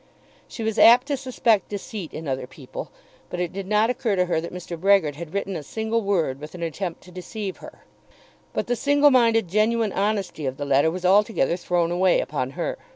She was apt to suspect deceit in other people; but it did not occur to her that Mr. Brehgert had written a single word with an attempt to deceive her. But the single minded genuine honesty of the letter was altogether thrown away upon her.